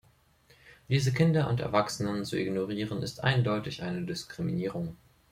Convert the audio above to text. Diese Kinder und Erwachsenen zu ignorieren ist eindeutig eine Diskriminierung.